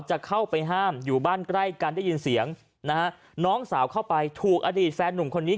จะเข้าไปห้ามอยู่บ้านใกล้กันได้ยินเสียงนะฮะน้องสาวเข้าไปถูกอดีตแฟนหนุ่มคนนี้